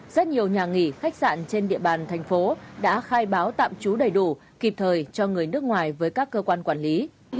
rất nhiều nhà nghỉ khách sạn trên địa bàn thành phố đã khai báo tạm trú đầy đủ kịp thời cho người nước ngoài với các cơ quan quản lý